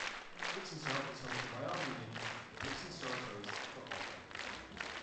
Rixensart is home to Royale Union Rixensartoise football club.